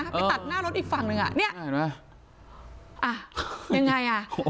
ไปตัดหน้ารถอีกฝั่งหนึ่งอ่ะเนี่ยเห็นไหมอ่ะยังไงอ่ะ